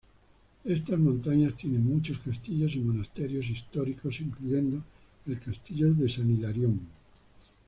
Estas montañas tienen muchos castillos y monasterios históricos incluyendo el castillo de San Hilarión.